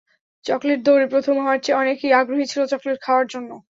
Chocolate দৌড়ে প্রথম হওয়ার চেয়ে অনেকেই আগ্রহী ছিল চকলেট খাওয়ার জন্য।